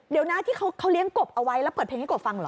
เดี๋ยวนะที่เขาเลี้ยงกบเอาไว้แล้วเปิดเพลงให้กบฟังเหรอ